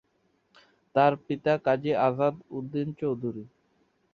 তার পিতা কাজী আজাদ উদ্দিন চৌধুরী।